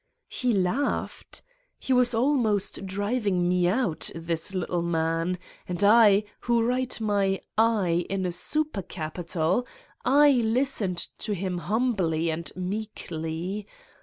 He laughed! He was almost driving Me out, this little man, and I, who write my "I" in a super capital, I listened to him humbly and meekly.